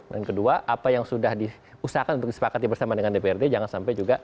dan kedua apa yang sudah diusahakan untuk disepakati bersama dengan dprd jangan sampai juga